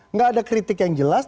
nggak ada kritik yang jelas